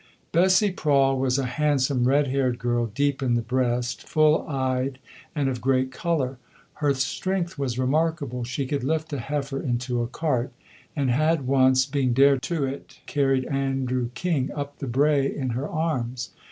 Bessie Prawle was a handsome, red haired girl, deep in the breast, full eyed and of great colour. Her strength was remarkable. She could lift a heifer into a cart, and had once, being dared to it, carried Andrew King up the brae in her arms.